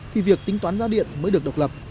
thì việc tính toán giá điện mới được độc lập